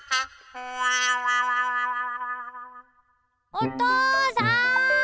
おとうさん！